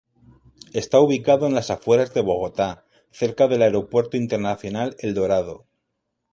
Está ubicado en las afueras de Bogotá, cerca del Aeropuerto Internacional El Dorado.